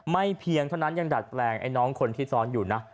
เพียงเท่านั้นยังดัดแปลงไอ้น้องคนที่ซ้อนอยู่นะ